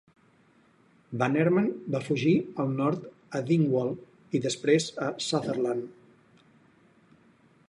Bannerman va fugir al nord a Dingwall i després a Sutherland.